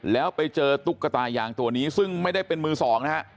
แล้วไปเจอตุ๊กตายางตัวนี้ซึ่งไม่ได้เป็นมือสองนะฮะ